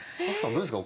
どうですか？